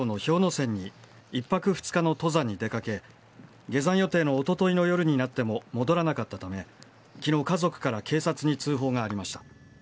山に、１泊２日の登山に出かけ、下山予定のおとといの夜になっても戻らなかったため、きのう、家族から警察に通報がありました。